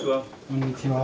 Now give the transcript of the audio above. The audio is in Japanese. こんにちは。